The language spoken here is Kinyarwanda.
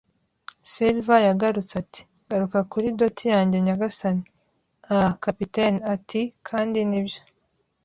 Silver yagarutse ati: “Garuka kuri dooty yanjye, nyagasani.” “Ah!” kapiteni ati, kandi nibyo